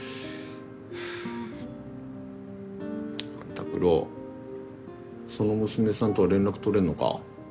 拓郎その娘さんとは連絡取れんのか？